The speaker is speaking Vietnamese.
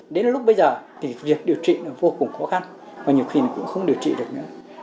đến lúc bây giờ thì việc điều trị vô cùng khó khăn và nhiều khi cũng không điều trị được nữa